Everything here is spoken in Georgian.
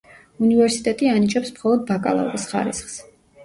უნივერსიტეტი ანიჭებს მხოლოდ ბაკალავრის ხარისხს.